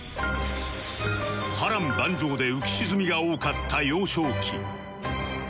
波瀾万丈で浮き沈みが多かった幼少期